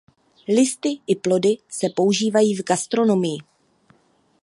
Listy i plody se používají v gastronomii.